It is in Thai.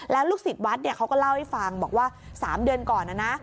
แล้วลูกศิษย์วัดเขาก็เล่าให้ฟังบอกว่า๓เดือนก่อนนะนะ